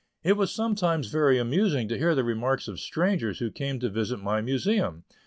It was sometimes very amusing to hear the remarks of strangers who came to visit my Museum.